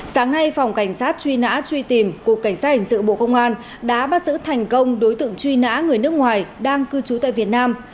sáng nay phòng cảnh sát truy nã truy tìm cục cảnh sát hình sự bộ công an đã bắt giữ thành công đối tượng truy nã người nước ngoài đang cư trú tại việt nam